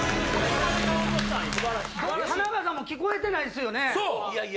田中さんも聞こえてないですよね。